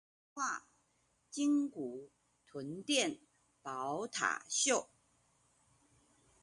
鯨骨、臀墊、寶塔袖